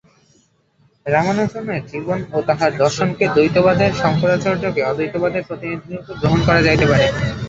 রামানুজের জীবন ও তাঁহার দর্শনকে দ্বৈতবাদের এবং শঙ্করাচার্যকে অদ্বৈতবাদের প্রতিনিধিরূপে গ্রহণ করা যাইতে পারে।